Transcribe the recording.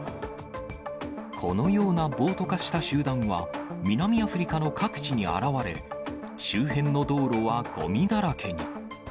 このような暴徒化した集団は、南アフリカの各地に現れ、周辺の道路はごみだらけに。